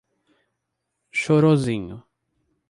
Chorozinho